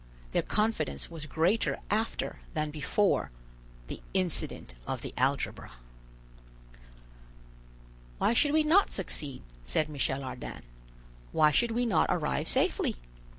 Their confidence was greater after than before "the incident of the algebra." "Why should we not succeed?" said Michel Ardan; "why should we not arrive safely?